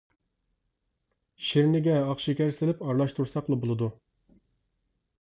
شىرنىگە ئاق شېكەر سېلىپ، ئارىلاشتۇرساقلا بولىدۇ.